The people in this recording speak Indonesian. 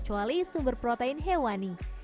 kecuali sumber protein hewani